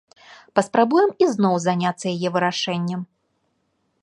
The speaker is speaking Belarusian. Паспрабуем ізноў заняцца яе вырашэннем.